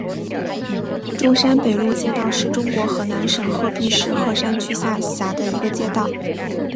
中山北路街道是中国河南省鹤壁市鹤山区下辖的一个街道。